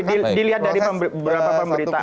dilihat dari beberapa pemberitaan